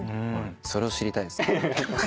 それを知りたいです。